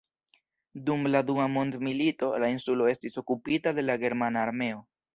Dum la Dua mondmilito la insulo estis okupita de la germana armeo.